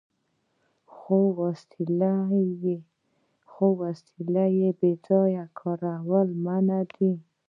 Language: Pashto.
خو د وسلې بې ځایه کارول منع دي.